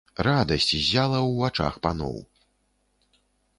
Радасць ззяла ў вачах паноў.